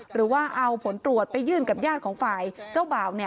หรือว่าเอาผลตรวจไปยื่นกับญาติของฝ่ายเจ้าบ่าว